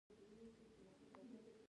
د ایکسرې هډوکي ښه ښيي.